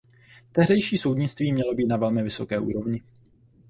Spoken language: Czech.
Tehdejší soudnictví mělo být na velmi vysoké úrovni.